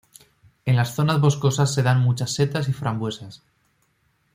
En las zonas boscosas se dan muchas setas y frambuesas.